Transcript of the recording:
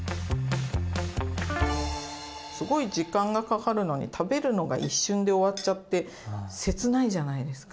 すごい時間がかかるのに食べるのが一瞬で終わっちゃって切ないじゃないですか。